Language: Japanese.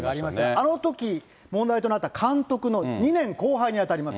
あのとき問題となった監督の２年後輩に当たります。